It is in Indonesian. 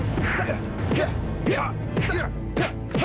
udah dua trus ini udah tawa